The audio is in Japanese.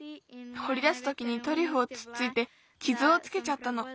ほりだすときにトリュフをつっついてきずをつけちゃったの。